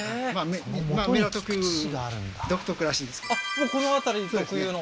もうこの辺り特有の？